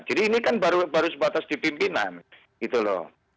jadi ini kan baru sebatas di pimpinan gitu lho